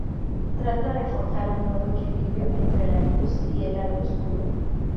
Trata de forjar un nuevo equilibrio entre la Luz y el lado Oscuro.